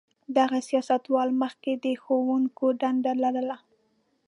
دغه سیاستوال مخکې د ښوونکي دنده لرله.